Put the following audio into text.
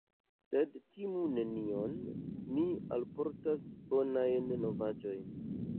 Sed timu nenion, mi alportas bonajn novaĵojn.